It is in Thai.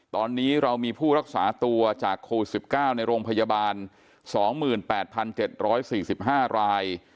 ตอนนี้เรามีผู้รักษาตัวจากโควิด๑๙ในโรงพยาบาล๒๘๗๔๕ราย